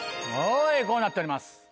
こうなっております。